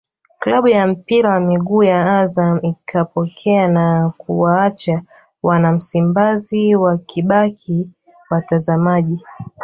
klabu ya mpira wa miguu ya Azam ikapokea na kuwaacha wana Msimbazi wakibaki watazamaji